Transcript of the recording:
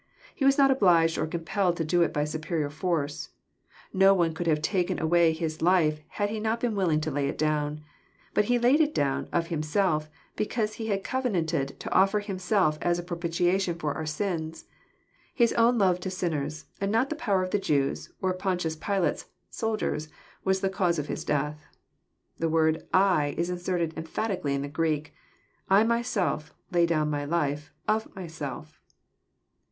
He was not obliged or compelled to do it by superior force. No one could have taken away His life had He not been willing to lay it down ; but He laid it down *< of Himself," because He had covenanted to offer Himself as a pro pitiation for our sins. His own love to sinners, and not the power of the Jews or Pontius Pilate's soldiers, was the cause of His death. The word '<!" is inserted emphatically in the Greek. "1 myself" lay down my life " of myself."